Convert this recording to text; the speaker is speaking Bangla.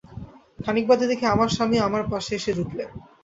খানিক বাদে দেখি আমার স্বামীও আমার পাশে এসে জুটলেন।